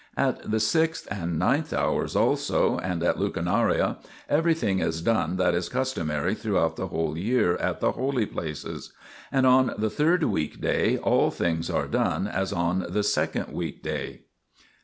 At the sixth and ninth hours also, and at lucernare, everything is done that is customary throughout the whole year at the holy places. And on the third weekday all things are done as on the second week day.